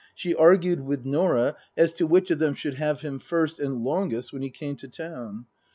She argued with Norah as to which of them should have him first and longest when he came to town.